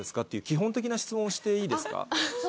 基本的な質問していいですか？